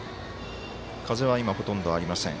風はほとんどありません。